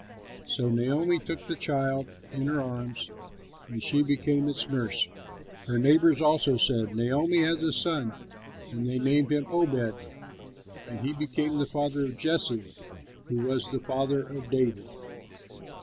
So Naomi took the child in her arms and she became its nurse. Her neighbors also said, "Naomi has a son!" and they named him Obed; he became the father of Jesse, who was the father of David.